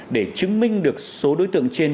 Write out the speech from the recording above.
để chứng minh được số đối tượng trên